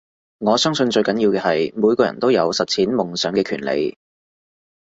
我相信最重要嘅係每個人都有實踐夢想嘅權利